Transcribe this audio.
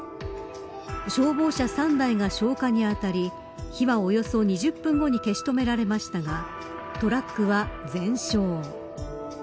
消防車３台が消火にあたり火はおよそ２０分後に消し止められましたがトラックは全焼。